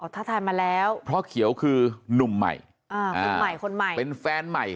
ถ้าทานมาแล้วเพราะเขียวคือนุ่มใหม่อ่าคนใหม่คนใหม่เป็นแฟนใหม่